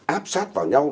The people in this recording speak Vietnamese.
áp sát vào nhau